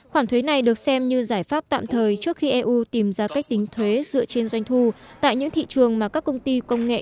khoản thuế này được xem như giải pháp tạm thời trước khi eu tìm ra cách tính thuế dựa trên doanh thu tại những thị trường mà các công ty công nghệ